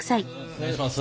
お願いいたします。